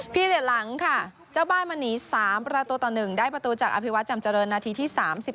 เพียงแต่หลังค่ะเจ้าบ้านมาหนี๓ประตูต่อ๑ได้ประตูจากอภิวัตรจำเจริญนาทีที่๓๔